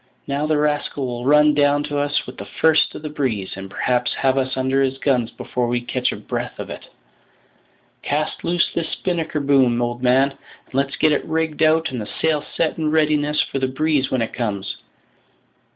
Now the rascal will run down to us with the first of the breeze, and perhaps have us under his guns before we can catch a breath of it. Cast loose this spinnaker boom, old man, and let's get it rigged out and the sail set in readiness for the breeze when it comes.